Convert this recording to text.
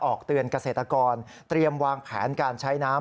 เตือนเกษตรกรเตรียมวางแผนการใช้น้ำ